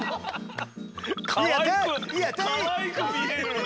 かわいく見える。